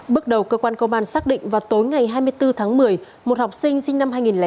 bước đầu cơ quan công an xác định vào tối ngày hai mươi bốn tháng một mươi một học sinh sinh năm hai nghìn chín